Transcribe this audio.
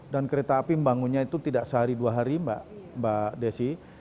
dan kereta api membangunnya itu tidak sehari dua hari mbak desi